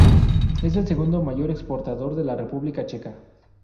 Es el segundo mayor exportador de la República Checa.